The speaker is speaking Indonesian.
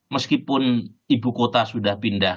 meskipun ibukota sudah pindah